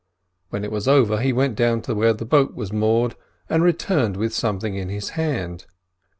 When it was over he went down to where the boat was moored, and returned with something in his hand.